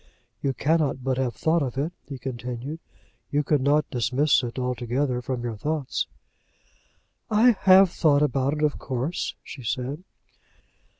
"You cannot but have thought of it," he continued. "You could not dismiss it altogether from your thoughts." "I have thought about it, of course," she said.